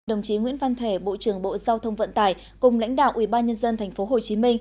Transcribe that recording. đồng chí nguyễn văn thể bộ trưởng bộ giao thông vận tải cùng lãnh đạo ubnd tp hcm